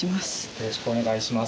よろしくお願いします。